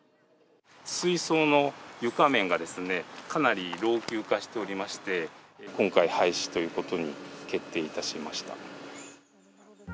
水槽の床面が、かなり老朽化しておりまして、今回、廃止ということに決定いたしました。